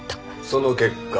その結果。